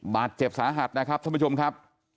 บาดเจ็บสาหัสนะครับท่านผู้ชมครับ